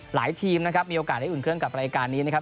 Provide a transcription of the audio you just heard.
ทีมนะครับมีโอกาสได้อุ่นเครื่องกับรายการนี้นะครับ